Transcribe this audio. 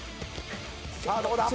さあどうだ